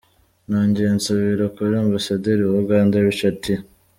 Nongeye nsubira kuri Ambasaderi wa Uganda, Richard T.